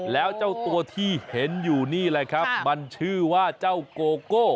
แล้วเจ้าตัวที่เห็นอยู่นี่แหละครับมันชื่อว่าเจ้าโกโก้